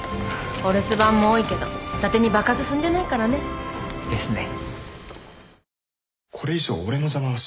お留守番も多いけどだてに場数踏んでないからね。ですね。